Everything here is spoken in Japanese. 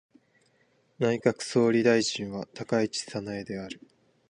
内閣総理大臣は高市早苗である。